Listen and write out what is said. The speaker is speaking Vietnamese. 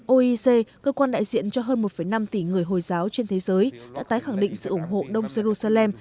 oec cơ quan đại diện cho hơn một năm tỷ người hồi giáo trên thế giới đã tái khẳng định sự ủng hộ đông jerusalem